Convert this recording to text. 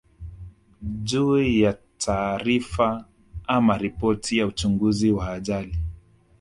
juu ya taarifa ama ripoti ya uchunguzi wa ajali